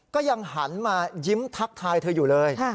ก็ยังหันมายิ้มทักทายเธออยู่เลย